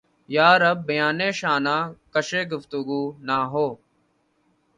یارب! بیانِ شانہ کشِ گفتگو نہ ہو!